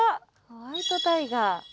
ホワイトタイガー。